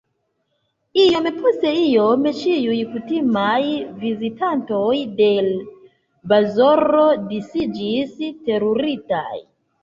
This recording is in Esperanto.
Iom post iom ĉiuj kutimaj vizitantoj de l' bazaro disiĝis teruritaj.